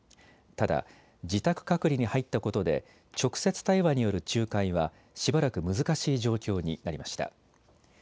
ただ自宅隔離に入ったことで直接対話による仲介はしばらく難しい状況になりました。